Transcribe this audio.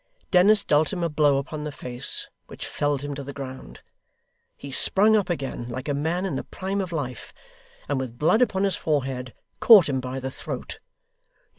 Dennis dealt him a blow upon the face which felled him to the ground. He sprung up again like a man in the prime of life, and with blood upon his forehead, caught him by the throat.